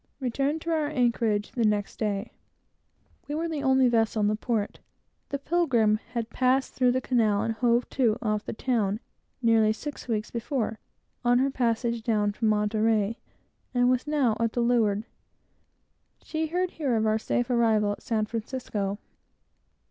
Returned to our anchorage the next day. We were the only vessel in the port. The Pilgrim had passed through the Canal and hove to off the town, nearly six weeks before, on her passage down from Monterey, and was now at the leeward. She heard here of our safe arrival at San Francisco.